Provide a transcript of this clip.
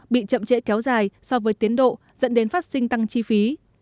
các nhiệm vụ bị chậm trễ kéo dài so với tiến độ dẫn đến phát sinh tăng chi phí